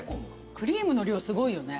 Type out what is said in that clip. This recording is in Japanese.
クリームの量すごいよね。